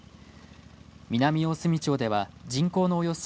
南大隅町では人口のおよそ